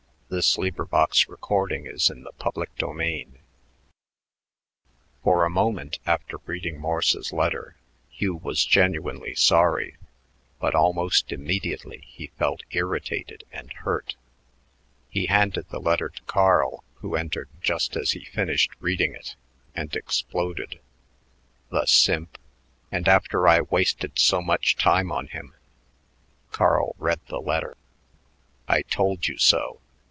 Thanks for all you've done for me. BERT MORSE. CHAPTER VII For a moment after reading Morse's letter Hugh was genuinely sorry, but almost immediately he felt irritated and hurt. He handed the letter to Carl, who entered just as he finished reading it, and exploded: "The simp! And after I wasted so much time on him." Carl read the letter. "I told you so."